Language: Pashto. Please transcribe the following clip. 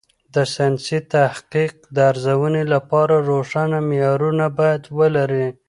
د ساینسي تحقیق د ارزونې لپاره روښانه معیارونه باید ولري.